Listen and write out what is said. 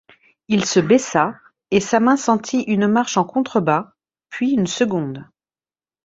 Il se baissa, et sa main sentit une marche en contrebas, puis une seconde.